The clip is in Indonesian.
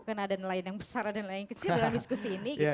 karena ada nelayan yang besar ada nelayan kecil dalam diskusi ini